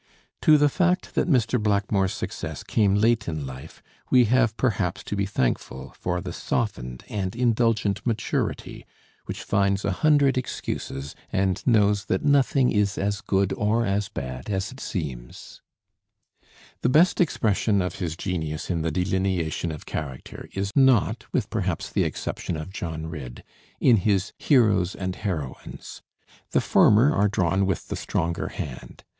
To the fact that Mr. Blackmore's success came late in life, we have perhaps to be thankful for the softened and indulgent maturity which finds a hundred excuses, and knows that nothing is as good or as bad as it seems. [Illustration: R.D. BLACKMORE.] The best expression of his genius in the delineation of character is not with perhaps the exception of John Ridd in his heroes and heroines. The former are drawn with the stronger hand.